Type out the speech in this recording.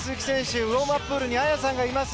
ウォームアッププールに綾さんがいます。